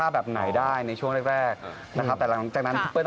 แซ่บมากพี่แมน